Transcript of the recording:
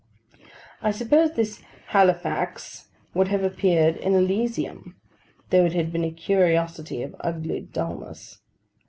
I suppose this Halifax would have appeared an Elysium, though it had been a curiosity of ugly dulness.